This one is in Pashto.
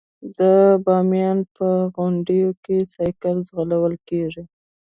د بامیانو په غونډیو کې سایکل ځغلول کیږي.